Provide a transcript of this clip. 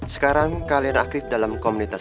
sekarang kalian aktif dalam komunitas